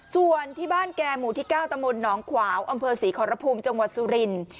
ส่วนที่บ้านแก่หมู่ที่๙ตมหนองขวาวอศรีครภูมิจสุรินทร์